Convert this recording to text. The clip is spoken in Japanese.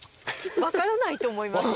分からないと思います。